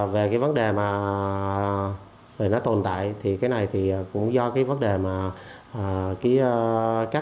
về vấn đề mà nó tồn tại thì cái này cũng do vấn đề mà các hộ gia đình